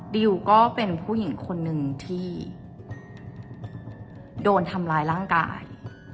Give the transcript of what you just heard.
ดิวก็เป็นผู้หญิงคนหนึ่งที่โดนทำร้ายร่างกาย